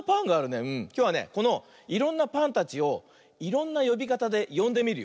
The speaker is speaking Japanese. きょうはねこのいろんなパンたちをいろんなよびかたでよんでみるよ。